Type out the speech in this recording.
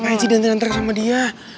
ngapain sih dia nganter nanter sama dia